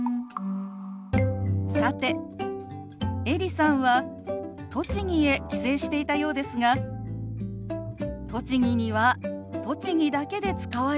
さてエリさんは栃木へ帰省していたようですが栃木には栃木だけで使われる手話